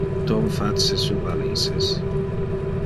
Tom fa su valises.